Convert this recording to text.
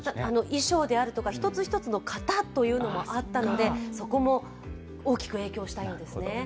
衣装であるとか、一つ一つの型というのもあったのでそこも大きく影響したようですね。